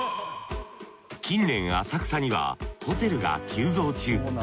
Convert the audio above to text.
近年浅草にはホテルが急増中。